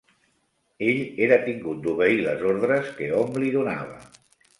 Ell era tingut d'obeir les ordres que hom li donava.